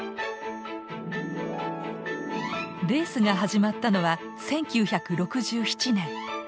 レースが始まったのは１９６７年。